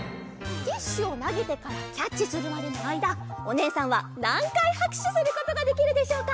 ティッシュをなげてからキャッチするまでのあいだおねえさんはなんかいはくしゅすることができるでしょうか？